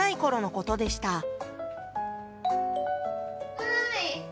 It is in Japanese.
はい。